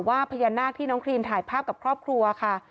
บอกกับทีมข่าวว่าพญานาคที่น้องครีมถ่ายภาพกับครอบครัวค่ะ